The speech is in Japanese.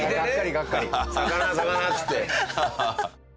「魚魚」っつって。